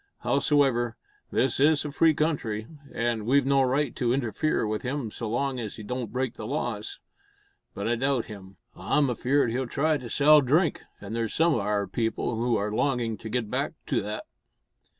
Howsoever, this is a free country, an' we've no right to interfere with him so long as he don't break the laws. But I doubt him. I'm afeard he'll try to sell drink, an' there's some o' our people who are longin' to git back to that."